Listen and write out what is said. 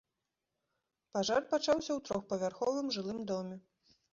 Пажар пачаўся ў трохпавярховым жылым доме.